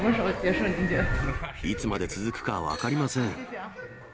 いつまで続くか分かりません。